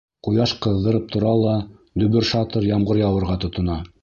Ҡояш ҡыҙҙырып тора ла, дөбөр-шатыр ямғыр яуырға тотона.